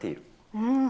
うん。